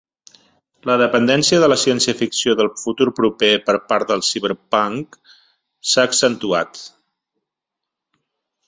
La dependència de la ciència ficció del futur proper per part del ciberpunk s'ha accentuat.